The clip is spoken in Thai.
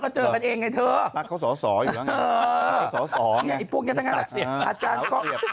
พวกงี้ทั้งนั้นอาจารย์ก็